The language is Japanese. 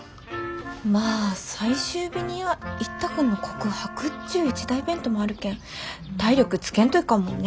まあ最終日には一太君の告白っちゅう一大イベントもあるけん体力つけんといかんもんね。